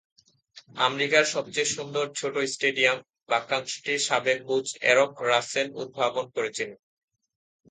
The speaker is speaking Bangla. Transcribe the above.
"আমেরিকার সবচেয়ে সুন্দর ছোট স্টেডিয়াম" বাক্যাংশটি সাবেক কোচ এরক রাসেল উদ্ভাবন করেছিলেন।